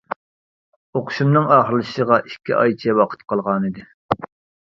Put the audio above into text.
ئوقۇشۇمنىڭ ئاخىرلىشىشىغا ئىككى ئايچە ۋاقىت قالغانىدى.